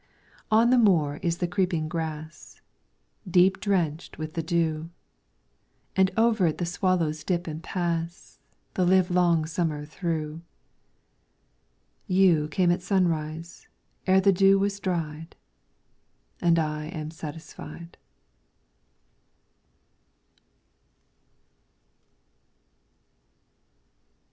On the moor is the creeping grass, Deep drenched with the dew. And over it the swallows dip and pass. The live long summer through. You came at sunrise, ere the dew was dried, And I am satisfied.